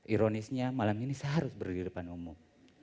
ironisnya malam ini saya harus berdiri di depan umum